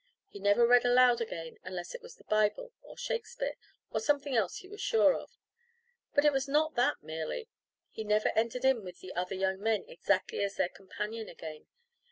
He never read aloud again unless it was the Bible or Shakespeare, or something else he was sure of. But it was not that merely. He never entered in with the other young men exactly as a companion again.